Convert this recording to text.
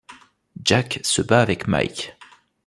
Jack se bat avec Mike.